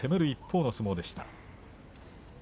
一方の相撲でした。